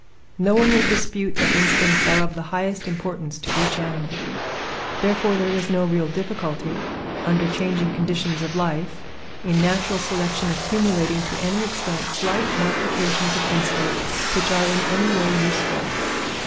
No one will dispute that instincts are of the highest importance to each animal. Therefore, there is no real difficulty, under changing conditions of life, in natural selection accumulating to any extent slight modifications of instinct which are in any way useful.